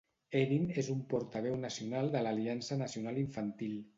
Erin és un portaveu nacional de l'Aliança Nacional Infantil.